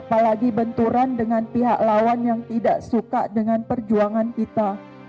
apalagi benturan dengan pihak lawan yang tidak suka dengan perjuangan kita